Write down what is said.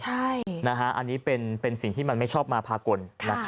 อันนี้เป็นสิ่งที่มันไม่ชอบมาพากล